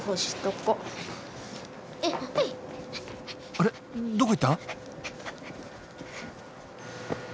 あれどこ行った？